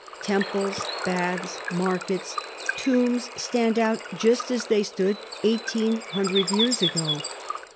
"Temples, baths, markets, tombs, stand out just as they stood eighteen hundred years ago.